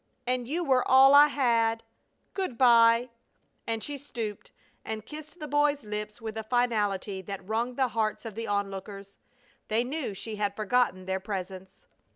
And you were all I had! Good by!" And she stooped and kissed the boy's lips with a finality that wrung the hearts of the onlookers. They knew she had forgotten their presence.